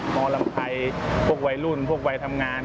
มรไพพวกวัยรุ่นพวกวัยทำงาน